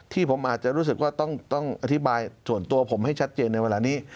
ที่ผมอาจจะรู้สึกว่าต้องอธิบายส่วนตัวผมให้ชัดเจนในเวลานี้